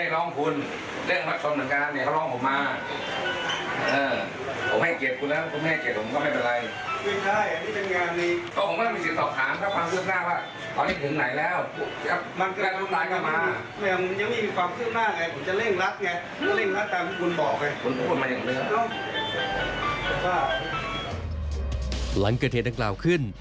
รักษณะที่จะมีความคิดขึ้นกับคุณ